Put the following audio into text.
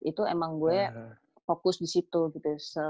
itu emang gua fokus disitu gitu